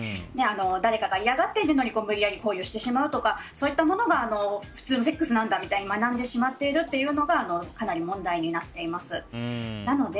誰かが嫌がっているのに無理やり行為をしてしまうとかそういったものが普通のセックスなんだみたいに学んでしまっているというのがかなり問題になっています。